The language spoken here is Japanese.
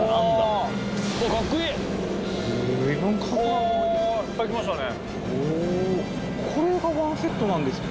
おいっぱい来ましたね。